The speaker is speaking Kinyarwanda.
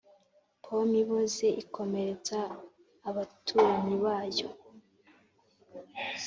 pome iboze ikomeretsa abaturanyi bayo